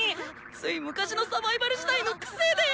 つい昔のサバイバル時代のクセで！